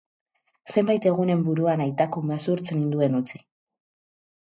Zenbait egunen buruan aitak umezurtz ninduen utzi.